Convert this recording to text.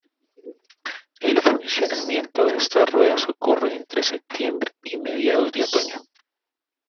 El funcionamiento de estas ruedas ocurre entre septiembre y mediados de otoño.